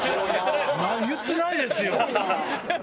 言ってないですよ。